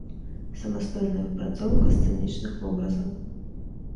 Самастойная выпрацоўка сцэнічных вобразаў.